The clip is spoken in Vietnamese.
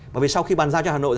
bởi vì sau khi bàn giao cho hà nội